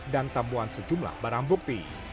dan tambuhan sejumlah barang bukti